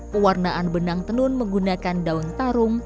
pewarnaan benang tenun menggunakan daun tarung